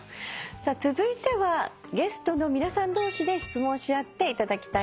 続いてはゲストの皆さん同士で質問し合っていただきたいと思います。